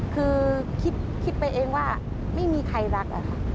คือคิดไปเองว่าไม่มีใครรักอะค่ะ